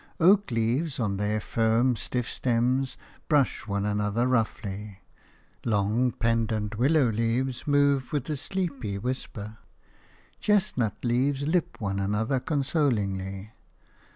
Oak leaves, on their firm, stiff stems, brush one another roughly; long, pendent willow leaves move with a sleepy whisper; chestnut leaves lip one another consolingly.